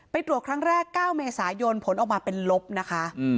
ตรวจครั้งแรก๙เมษายนผลออกมาเป็นลบนะคะ